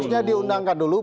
harusnya diundangkan dulu